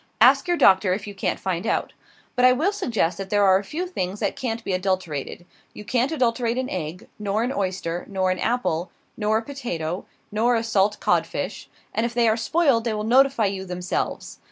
Ask your doctor, if you can't find out. But I will suggest that there are a few things that can't be adulterated. You can't adulterate an egg, nor an oyster, nor an apple, nor a potato, nor a salt codfish; and if they are spoiled they will notify you themselves!